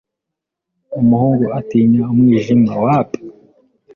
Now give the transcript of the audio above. Umuhungu atinya umwijima.